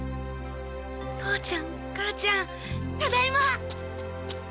父ちゃん母ちゃんただいま。